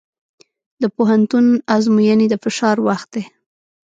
د پوهنتون ازموینې د فشار وخت دی.